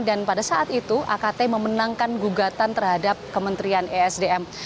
dan pada saat itu akt memenangkan gugatan terhadap kementerian esdm